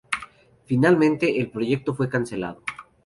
Finalmente el proyecto fue cancelado.